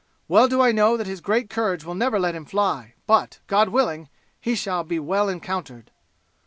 Well do I know that his great courage will never let him fly, but, God willing, he shall be well encountered."